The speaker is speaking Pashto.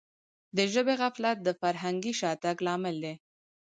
د ژبي غفلت د فرهنګي شاتګ لامل دی.